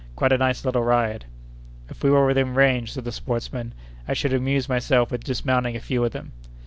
Quite a nice little ride!" "If we were within range," sighed the sportsman, "I should amuse myself with dismounting a few of them."